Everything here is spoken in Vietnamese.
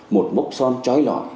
một mốc son trói lõi